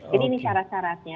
jadi ini syarat syaratnya